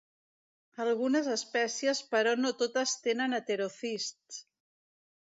Algunes espècies però no totes tenen heterocists.